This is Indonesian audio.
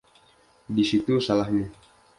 Di situ salahmu.